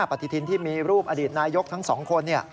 ปฏิทินที่มีรูปอดีตนายกทั้ง๒คน